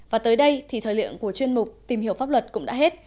và tới đây thì thời lượng của chuyên mục tìm hiểu pháp luật cũng đã hết